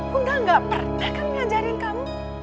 bunda gak pernah kan ngajarin kamu